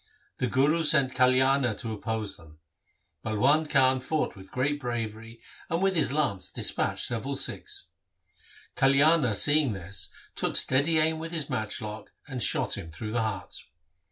The Guru sent Kalyana to oppose them. Balwand Khan fought with great bravery and with his lance dispatched several Sikhs. Kal yana seeing this took steady aim with his matchlock, and shot him through the heart.